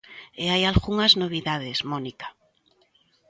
E hai algunhas novidades, Mónica.